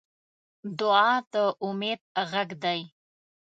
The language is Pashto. دعا د امید غږ دی.